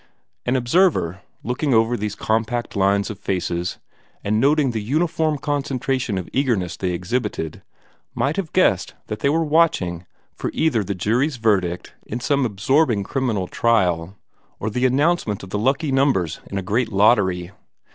An observer, looking over these compact lines of faces and noting the uniform concentration of eagerness they exhibited, might have guessed that they were watching for either the jury's verdict in some peculiarly absorbing criminal trial, or the announcement of the lucky numbers in a great lottery.